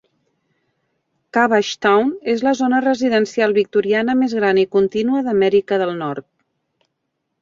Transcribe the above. Cabbagetown és la zona residencial victoriana més gran i contínua d'Amèrica del Nord.